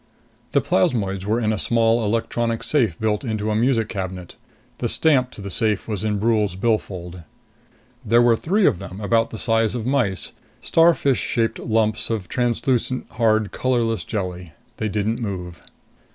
The plasmoids were in a small electronic safe built into a music cabinet. The stamp to the safe was in Brule's billfold. There were three of them, about the size of mice, starfish shaped lumps of translucent, hard, colorless jelly. They didn't move.